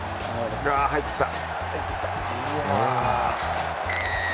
入ってきた！